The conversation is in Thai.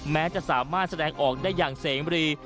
แม้จะสามารถแสดงออกได้อย่างเสมรี